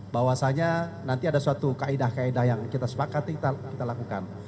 bahwasanya nanti ada suatu kaedah kaedah yang kita sepakati kita lakukan